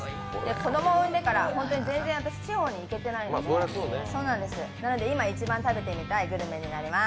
子どもを産んでから私、全然地方に行けてないのでなので今、一番食べてみたいグルメになります。